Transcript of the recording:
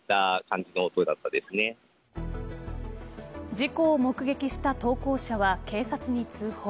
事故を目撃した投稿者は警察に通報。